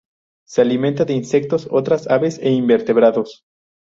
Se alimenta de insectos, otras aves, e invertebrados.